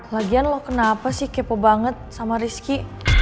lagian lo kenapa sih kepo banget sama risky